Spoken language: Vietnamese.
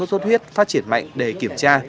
sốt huyết phát triển mạnh để kiểm tra